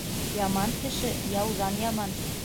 Яман кеше яуҙан яман.